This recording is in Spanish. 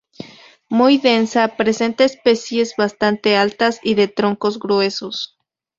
Muy densa, presenta especies bastante altas y de troncos gruesos.